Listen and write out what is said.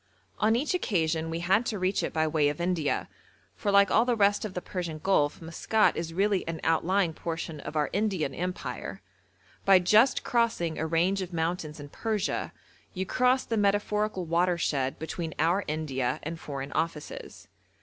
On each occasion we had to reach it by way of India, for like all the rest of the Persian Gulf Maskat is really an outlying portion of our Indian Empire. By just crossing a range of mountains in Persia you cross the metaphorical watershed between our India and Foreign Offices.